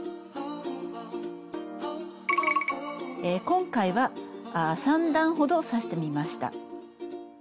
今回は３段ほど刺してみてました。